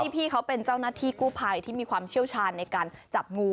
พี่เขาเป็นเจ้าหน้าที่กู้ภัยที่มีความเชี่ยวชาญในการจับงู